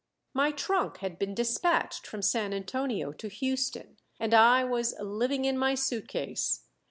My trunk had been despatched from San Antonio to Houston, and I was "living in my suitcase."